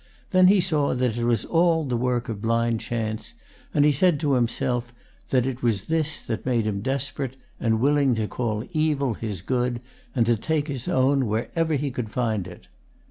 Then he saw that it was all the work of blind chance, and he said to himself that it was this that made him desperate, and willing to call evil his good, and to take his own wherever he could find it.